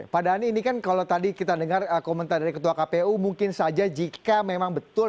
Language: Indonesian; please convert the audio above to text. pak dhani ini kan kalau tadi kita dengar komentar dari ketua kpu mungkin saja jika memang betul